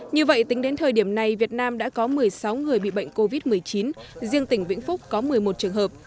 như vậy tính đến thời điểm này việt nam đã có một mươi sáu người bị bệnh covid một mươi chín riêng tỉnh vĩnh phúc có một mươi một trường hợp